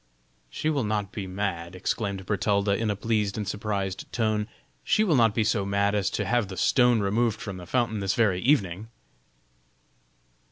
"She will not be mad," exclaimed Bertalda, in a pleased and surprised tone, "she will not be so mad as to have the stone removed from the fountain this very evening!"